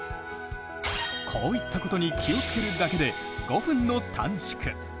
こういったことに気を付けるだけで５分の短縮。